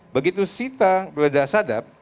begitu sita geledah sadap